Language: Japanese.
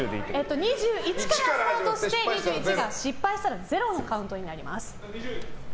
２１からスタートして２１が失敗したらゼロのカウントになります。